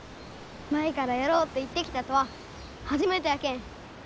舞からやろうって言ってきたとは初めてやけん。